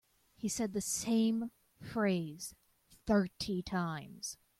He said the same phrase thirty times.